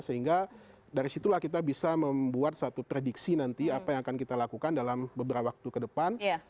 sehingga dari situlah kita bisa membuat satu prediksi nanti apa yang akan kita lakukan dalam beberapa waktu ke depan